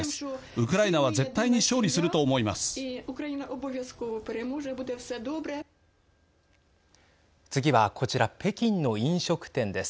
ウクライナは絶対に勝利すると思います。